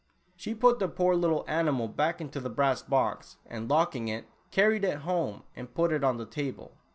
She put the poor little animal back into the brass box, and locking it, carried it home and put it on the table.